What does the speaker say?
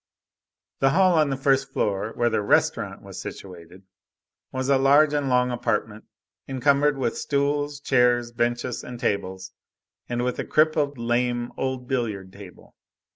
The hall on the first floor, where "the restaurant" was situated, was a large and long apartment encumbered with stools, chairs, benches, and tables, and with a crippled, lame, old billiard table.